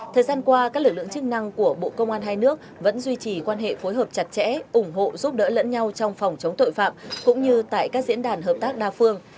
thời gian qua các lực lượng chức năng của bộ công an hai nước vẫn duy trì quan hệ phối hợp chặt chẽ ủng hộ giúp đỡ lẫn nhau trong phòng chống tội phạm cũng như tại các diễn đàn hợp tác đa phương